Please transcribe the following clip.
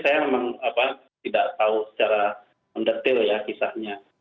saya memang tidak tahu secara mendetail ya kisahnya